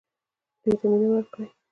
دوی ته مینه ورکړئ